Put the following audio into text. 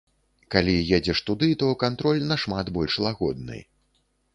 Калі едзеш туды, то кантроль нашмат больш лагодны.